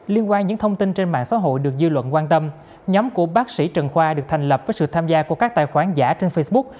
liên quan những thông tin trên mạng xã hội được dư luận quan tâm nhóm của bác sĩ trần khoa được thành lập với sự tham gia của các tài khoản giả trên facebook